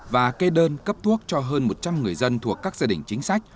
và kê đơn cấp thuốc cho hơn một trăm linh người dân thuộc các gia đình chính sách